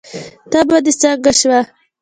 تبه دې څنګه شوه؟